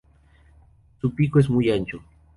Su pico es muy ancho.